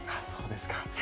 そうですか。